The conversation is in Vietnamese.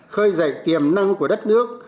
khơi dậy tiềm năng của đất nước